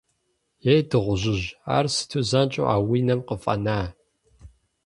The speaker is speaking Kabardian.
Ей, дыгъужьыжь, ар сыту занщӏэу а уи нам къыфӏэна?